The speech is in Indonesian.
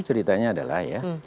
ceritanya adalah ya